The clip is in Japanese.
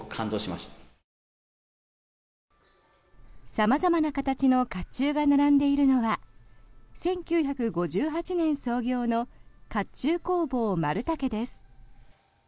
様々な形の甲冑が並んでいるのは１９５８年創業の甲冑工房丸武です。